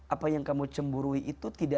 apa yang kamu cemburui itu